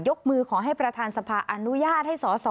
ยกมือขอให้ประธานสภาอนุญาต